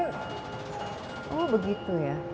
oh begitu ya